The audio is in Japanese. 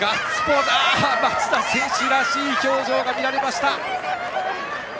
松田選手らしい表情が見られました。